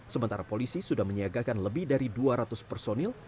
sementara polisi sudah menyiagakan lebih dari dua ratus personil